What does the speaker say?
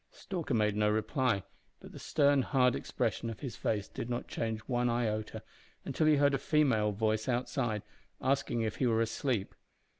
Stalker made no reply, but the stern, hard expression of his face did not change one iota until he heard a female voice outside asking if he were asleep.